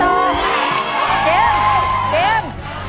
เกม